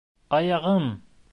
Аяғым!